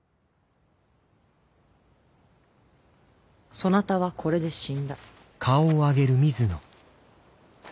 そなたはこれで死んだ。